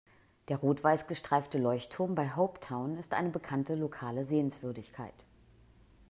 Der rot-weiß gestreifte Leuchtturm bei Hope Town ist eine bekannte lokale Sehenswürdigkeit.